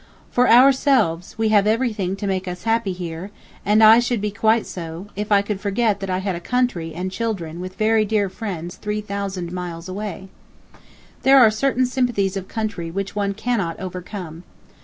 For ourselves, we have everything to make us happy here, and I should be quite so, if I could forget that I had a country and children with very dear friends 3,000 miles away. ... There are certain sympathies of country which one cannot overcome.